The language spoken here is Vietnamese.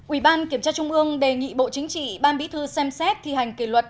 ủy ban kiểm tra trung ương đề nghị bộ chính trị ban bí thư xem xét thi hành kỷ luật